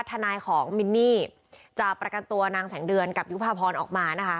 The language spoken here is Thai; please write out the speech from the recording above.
ทนายของมินนี่จะประกันตัวนางแสงเดือนกับยุภาพรออกมานะคะ